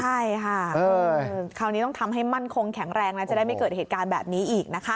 ใช่ค่ะคราวนี้ต้องทำให้มั่นคงแข็งแรงแล้วจะได้ไม่เกิดเหตุการณ์แบบนี้อีกนะคะ